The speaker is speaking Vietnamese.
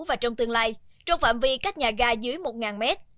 và trong tương lai trong phạm vi cách nhà ga dưới một mét